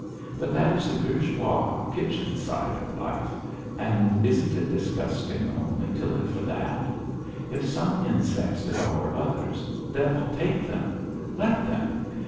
But that is the bourgeois, kitchen side of life, and isn't it disgusting only to live for that? If some insects devour others, devil take them, let them!